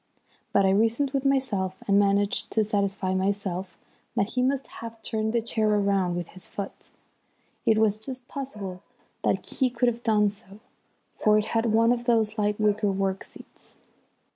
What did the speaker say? But I reasoned with myself and managed to satisfy myself that he must have turned the chair round with his foot. It was just possible that he could have done so, for it had one of those light wicker work seats.